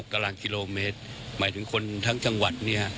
ตารางกิโลเมตรหมายถึงคนทั้งจังหวัดเนี่ย